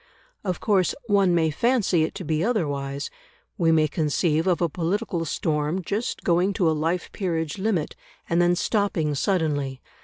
Of course one may fancy it to be otherwise; we may conceive of a political storm just going to a life peerage limit, and then stopping suddenly.